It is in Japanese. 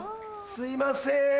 すいません。